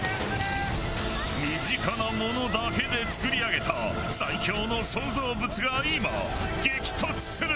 身近なものだけで作り上げた最強の創造物が今激突する！